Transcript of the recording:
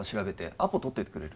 アポ取っといてくれる？